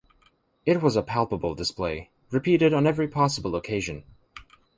It was a palpable display, repeated on every possible occasion.